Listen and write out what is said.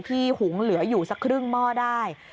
หุงเหลืออยู่สักครึ่งหม้อได้